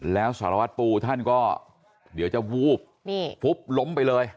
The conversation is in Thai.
แล้วสารวัตรปูท่านก็เดี๋ยวจะวูบฟุบล้มไปเลย